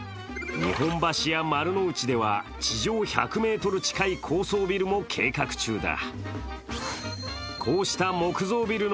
日本橋や丸の内では、地上１００ｍ近い高層ビルも計画中だ。